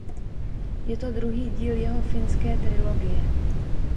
Je to druhý díl jeho Finské trilogie.